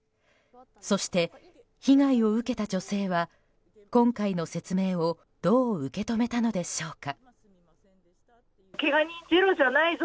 そして被害を受けた女性は今回の説明をどう受け止めたのでしょうか。